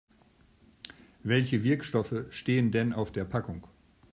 Welche Wirkstoffe stehen denn auf der Packung?